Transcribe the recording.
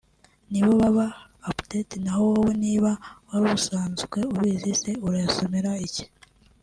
nibo baba updated naho wowe niba warusanzwe ubizi se urayasomera iki